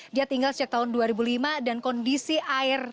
dia tinggal sejak tahun dua ribu lima dan kondisi air